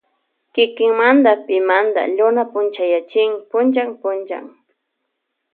Kikinmada pimanda luna punchayachin punllak punllak.